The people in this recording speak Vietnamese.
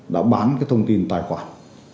đã bán cái thông tin tài khoản